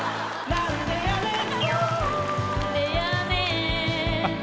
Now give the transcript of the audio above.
「何でやねん」